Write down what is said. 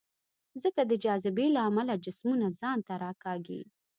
ځمکه د جاذبې له امله جسمونه ځان ته راکاږي.